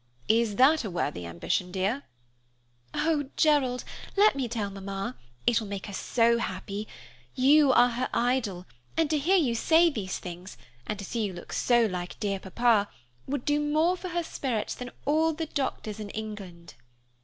Is that a worthy ambition, dear?" "Oh, Gerald, let me tell Mamma. It will make her so happy. You are her idol, and to hear you say these things, to see you look so like dear Papa, would do more for her spirits than all the doctors in England."